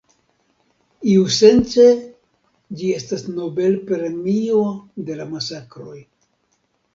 Iusence ĝi estas Nobel-premio de la masakroj.